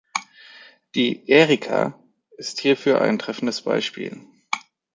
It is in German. Die "Erika" ist hierfür ein treffendes Beispiel.